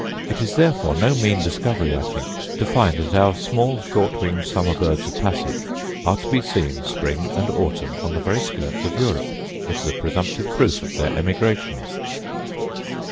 It is therefore no mean discovery, I think, to find that our small short winged summer birds of passage are to be seen spring and autumn on the very skirts of Europe; it is a presumptive proof of their emigrations.